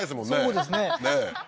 そうですね